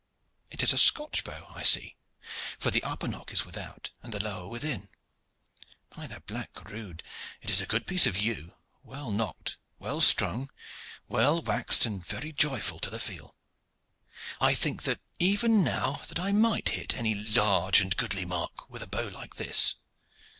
It is a Scotch bow, I see, for the upper nock is without and the lower within. By the black rood! it is a good piece of yew, well nocked, well strung, well waxed, and very joyful to the feel. I think even now that I might hit any large and goodly mark with a bow like this.